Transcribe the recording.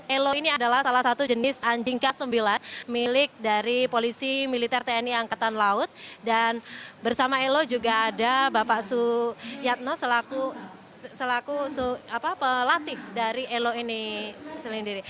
elo ini adalah salah satu jenis anjing k sembilan milik dari polisi militer tni angkatan laut dan bersama elo juga ada bapak suyatno selaku pelatih dari elo ini sendiri